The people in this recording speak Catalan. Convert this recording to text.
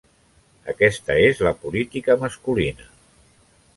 Aquesta és la política masculina.